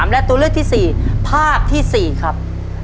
และตัวเลือกที่๔ภาพที่๔ครับ